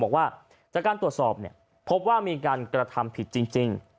บอกว่าจากการตรวจสอบเนี่ยพบว่ามีการกระทำผิดจริง